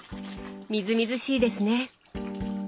みずみずしいですね！